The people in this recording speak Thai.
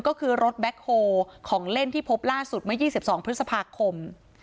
ก็คือรถแบ็คโฮลของเล่นที่พบล่าสุดเมื่อ๒๒พฤษภาคม